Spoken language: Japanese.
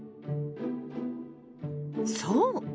そう！